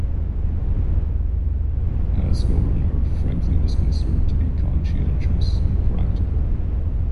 As governor, Franklin was considered to be conscientious and practical.